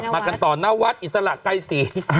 มากันต่อนวัดอิสระใกล้สี่